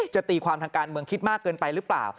ตีความทางการเมืองคิดมากเกินไปหรือเปล่า